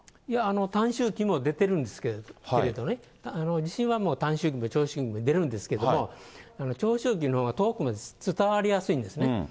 いや、短周期も出てるんですけれどもね、地震はもう、短周期も長周期も出るんですけれども、長周期のほうが伝わりやすいんですね。